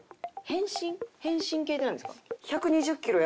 変身系ってなんですか？